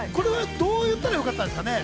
どう言ったらよかったんですかね。